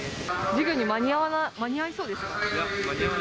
授業に間に合いそうですか？